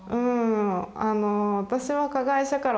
私は加害者から